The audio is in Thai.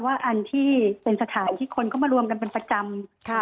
อันที่เป็นสถานที่คนก็มารวมกันเป็นประจำ